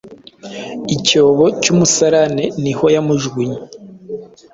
Icyobo cy’umusarane niho yamujugunye